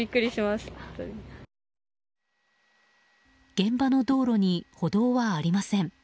現場の道路に歩道はありません。